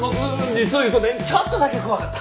実を言うとねちょっとだけ怖かった。